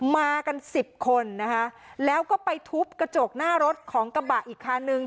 มากันสิบคนนะคะแล้วก็ไปทุบกระจกหน้ารถของกระบะอีกคันนึง